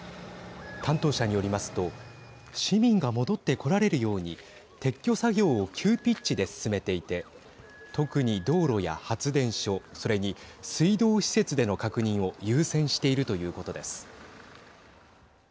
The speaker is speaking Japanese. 担当者によりますと市民が戻ってこられるように撤去作業を急ピッチで進めていて特に、道路や発電所それに水道施設での確認を優先しているということです。